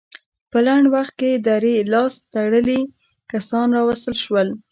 په لنډ وخت کې درې لاس تړلي کسان راوستل شول.